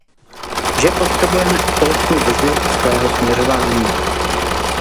Že potřebujeme společnou vizi svého směřování.